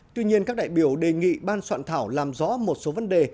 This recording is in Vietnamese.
tuy nhiên các đại biểu đề nghị ban soạn thảo làm rõ một số vấn đề